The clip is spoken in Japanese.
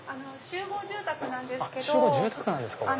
集合住宅なんですけど。